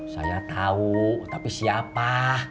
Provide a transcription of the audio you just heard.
saya tahu tapi siapa